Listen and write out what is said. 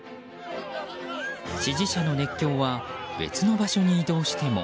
支持者の熱狂は別の場所に移動しても。